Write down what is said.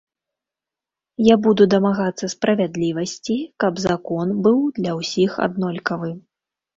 Я буду дамагацца справядлівасці, каб закон быў для ўсіх аднолькавы.